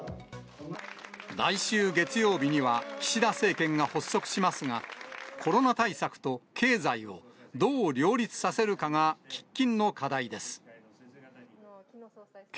来週月曜日には、岸田政権が発足しますが、コロナ対策と経済をどう両立させるかが、喫緊の課題です。